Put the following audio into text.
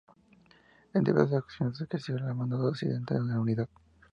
En diversas ocasiones ejerció el mando accidental de la unidad.